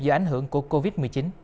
do ảnh hưởng của covid một mươi chín